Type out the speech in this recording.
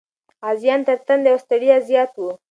غازيان تر تندې او ستړیا زیات و.